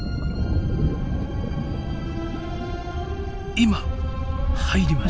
今入りました。